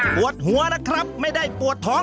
ปวดหัวนะครับไม่ได้ปวดท้อง